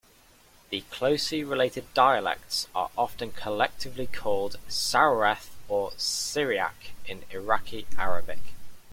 The closely related dialects are often collectively called "Soureth", or "Syriac "in Iraqi Arabic.